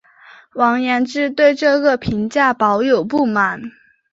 王延之对这个评价抱有不满。